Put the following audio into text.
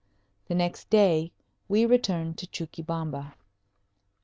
The next day we returned to Chuquibamba.